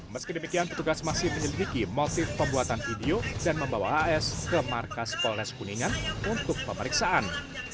meski demikian petugas masih menyelidiki motif pembuatan video dan membawa hs ke markas polres kuningan untuk pemeriksaan